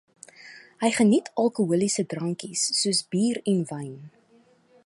Hy geniet alkoholiese drankies, soos bier en wyn.